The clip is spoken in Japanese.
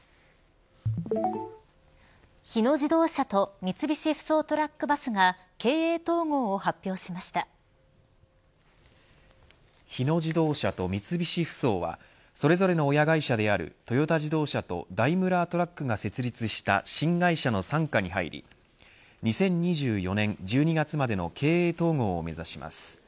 日野自動車と三菱ふそうトラック・バスが日野自動車と三菱ふそうはそれぞれの親会社であるトヨタ自動車とダイムラートラックが設立した新会社の傘下に入り２０２４年１２月までの経営統合を目指します。